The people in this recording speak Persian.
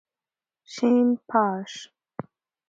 شن پاش